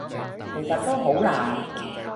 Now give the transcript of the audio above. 其實都好難